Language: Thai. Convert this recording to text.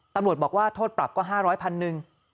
ตำรวจบอกว่าโทษปรับก็๕๐๐พันหนึ่ง